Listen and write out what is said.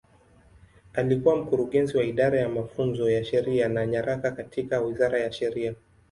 Alikuwa Mkurugenzi wa Idara ya Mafunzo ya Sheria na Nyaraka katika Wizara ya Sheria.